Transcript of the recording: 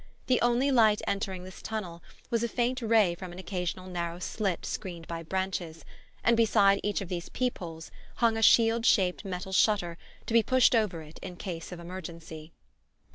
The only light entering this tunnel was a faint ray from an occasional narrow slit screened by branches; and beside each of these peep holes hung a shield shaped metal shutter to be pushed over it in case of emergency.